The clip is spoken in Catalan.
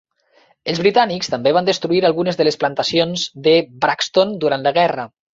Els britànics també van destruir algunes de les plantacions de Braxton durant la guerra.